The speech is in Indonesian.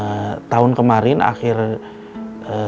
nah tahun kemarin akhir tahun kemarin